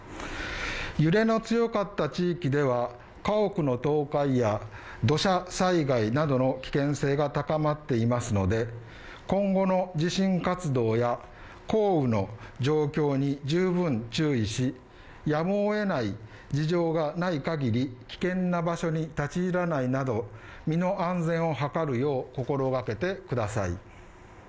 揺れの強かった地域では、家屋の倒壊や土砂災害などの危険性が高まっていますので、今後の地震活動や降雨の状況に十分注意し、やむを得ない事情がない限り、危険な場所に立ちいらないなど身の安全を図るよう心がけてください。